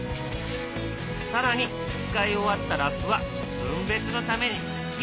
更に使い終わったラップは分別のためにきれいに洗う。